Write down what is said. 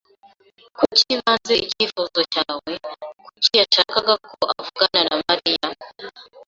Kuki banze icyifuzo cyawe? Kuki yashakaga ko uvugana na Mariya?